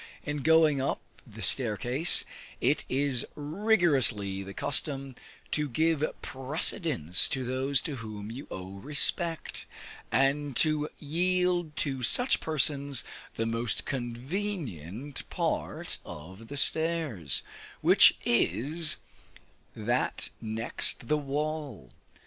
In going up the staircase, it is rigorously the custom to give precedence to those to whom you owe respect, and to yield to such persons the most convenient part of the stairs, which is that next the wall.